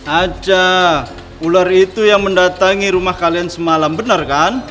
aja ular itu yang mendatangi rumah kalian semalam benar kan